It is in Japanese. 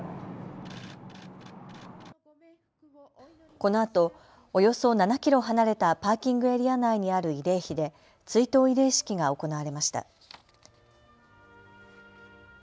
このあと、およそ７キロ離れたパーキングエリア内にある慰霊碑で追悼慰霊式が行われました。